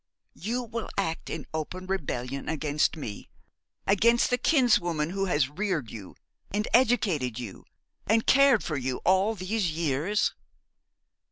'You will act in open rebellion against me against the kinswoman who has reared you, and educated you, and cared for you in all these years!'